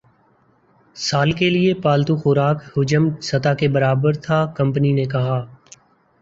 سال کے لیے پالتو خوراک حجم سطح کے برابر تھا کمپنی نے کہا